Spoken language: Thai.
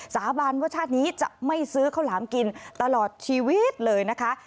สาบานว่าชาตินี้จะไม่ซื้อข้าวหลามกินตลอดชีวิตเลยนะคะ